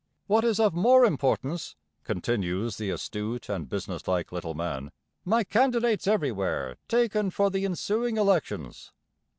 'What is of more importance,' continues the astute and businesslike little man, 'my candidates everywhere taken for the ensuing elections.'